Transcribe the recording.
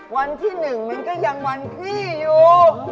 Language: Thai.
วันที่๑มันก็ยังวันพี่อยู่